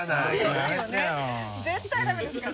絶対ダメですから！